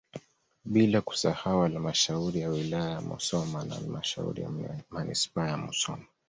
Bila kusahau halmashauri ya wilaya ya Musoma na halmashauri ya manispaa ya Musoma